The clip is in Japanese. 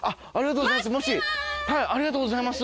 ありがとうございます。